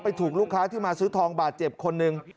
ถูกลูกค้าที่มาซื้อทองบาดเจ็บคนหนึ่ง